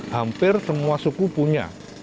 hampir semua suku punya